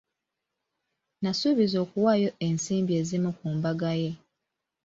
Nasuubiza okuwaayo ensimbi ezimu ku mbaga ye.